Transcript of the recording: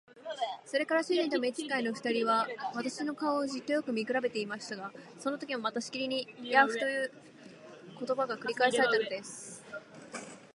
それから主人と召使の二人は、私たちの顔をじっとよく見くらべていましたが、そのときもまたしきりに「ヤーフ」という言葉が繰り返されたのです。